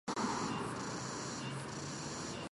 窝利士在警察队司职中锋或右翼。